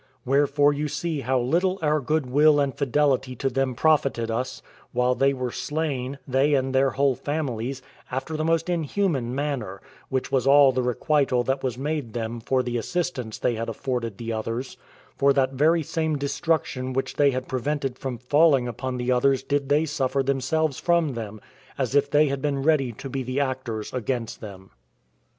Wherefore you see how little our good will and fidelity to them profited us, while they were slain, they and their whole families, after the most inhuman manner, which was all the requital that was made them for the assistance they had afforded the others; for that very same destruction which they had prevented from falling upon the others did they suffer themselves from them, as if they had been ready to be the actors against them.